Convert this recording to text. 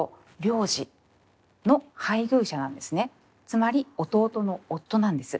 つまり弟の夫なんです。